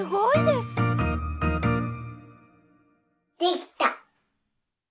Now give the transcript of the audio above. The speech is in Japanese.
できた！